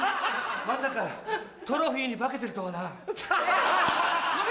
まさかトロフィーに化けてるとはな！